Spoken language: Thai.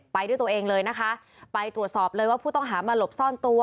ไปด้วยตัวเองเลยนะคะไปตรวจสอบเลยว่าผู้ต้องหามาหลบซ่อนตัว